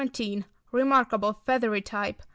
Remarkable feathery type.